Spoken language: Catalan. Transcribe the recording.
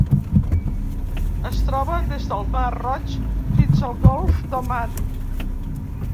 Es troba des del Mar Roig fins al Golf d'Oman.